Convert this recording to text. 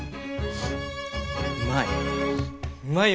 うまい。